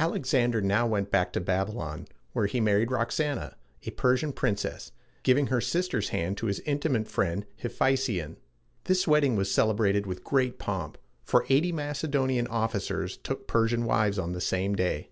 Alexander now went back to Babylon, where he married Rox an´a, a Persian princess, giving her sister's hand to his intimate friend Hephæstion. This wedding was celebrated with great pomp, for eighty Macedonian officers took Persian wives on the same day.